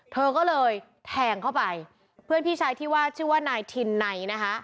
เธอก็เลยแทงเข้าไปเพื่อนพี่ชายที่ว่าชื่อว่านายทินไนนะคะ